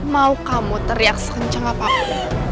mau kamu teriak sekencang apapun